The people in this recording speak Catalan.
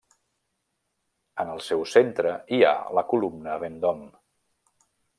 En el seu centre, hi ha la columna Vendôme.